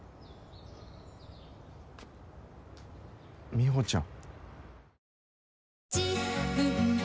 美帆ちゃん。